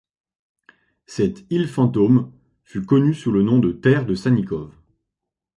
Cette île fantôme fut connue sous le nom de Terre de Sannikov.